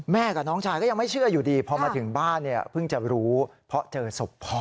กับน้องชายก็ยังไม่เชื่ออยู่ดีพอมาถึงบ้านเนี่ยเพิ่งจะรู้เพราะเจอศพพ่อ